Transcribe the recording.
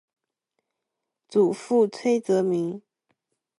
祖父崔则明。